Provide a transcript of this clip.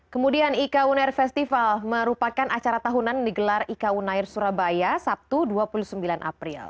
kemudian ika unair festival merupakan acara tahunan yang digelar ika unair surabaya sabtu dua puluh sembilan april